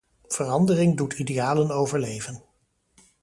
Verandering doet idealen overleven.